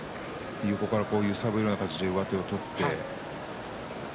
揺さぶるような感じで上手を取って。